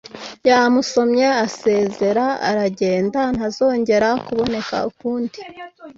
Yamusomye asezera aragenda, ntazongera kuboneka ukundi.